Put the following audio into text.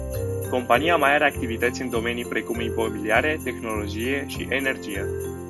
Compania mai are activități în domenii precum imobiliare, tehnologie și energie.